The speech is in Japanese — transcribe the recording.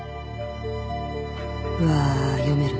うわ読める。